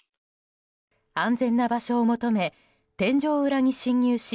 安全な場所を求め天井裏に侵入し